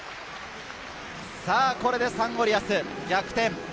これでサンゴリアス、逆転。